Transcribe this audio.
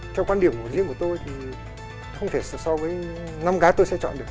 cho quán điểm củavirgen của tôi thì không thể so với năm gái tôi sẽ chọn được